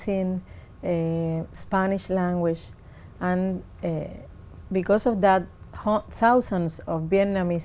chỉ có những người bạn có thể làm